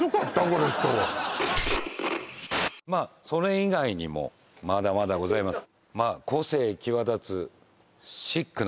この人それ以外にもまだまだございます